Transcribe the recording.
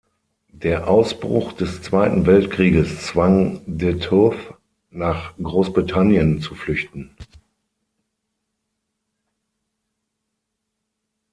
Der Ausbruch des Zweiten Weltkrieges zwang De Toth, nach Großbritannien zu flüchten.